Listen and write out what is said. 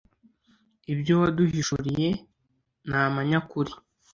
Ibyo waduhishuriye ni amanyakuri